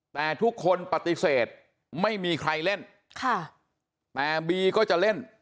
แต่ทุกคนปฏิเสธไม่มีใครเล่นค่ะแต่บีก็จะเล่น